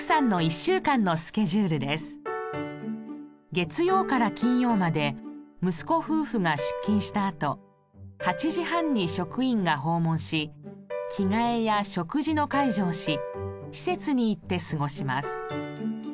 月曜から金曜まで息子夫婦が出勤したあと８時半に職員が訪問し着替えや食事の介助をし施設に行って過ごします。